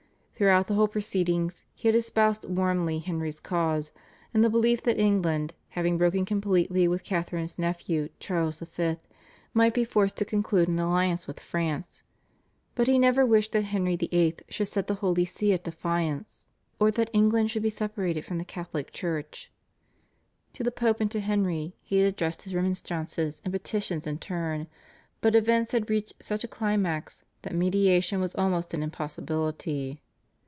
Throughout the whole proceedings he had espoused warmly Henry's cause, in the belief that England, having broken completely with Catharine's nephew Charles V., might be forced to conclude an alliance with France; but he never wished that Henry VIII. should set the Holy See at defiance, or that England should be separated from the Catholic Church. To the Pope and to Henry he had addressed his remonstrances and petitions in turn, but events had reached such a climax that mediation was almost an impossibility.